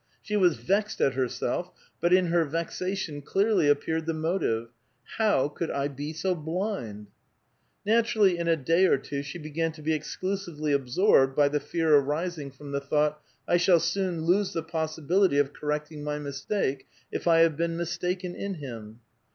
She was vexed at herself, but in her vexation clearly appeared the motive. *' How could I be so blind !" Naturally, in a day or two, she began to be exclusively absorbed by the fear arising from the thought, "I shall soon lose the possibility* of correcting my mistake, if I have been mistaken in him."